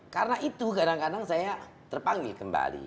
karena itu kadang kadang saya terpanggil kembali